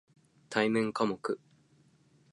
対面科目